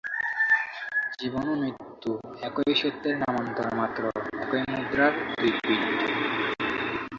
জীবন ও মৃত্যু একই সত্যের নামান্তর মাত্র, একই মুদ্রার দুই পিঠ।